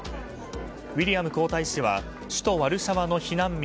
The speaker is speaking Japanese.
ウィリアム皇太子は首都ワルシャワの避難民